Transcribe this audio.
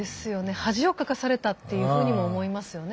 恥をかかされたっていうふうにも思いますよね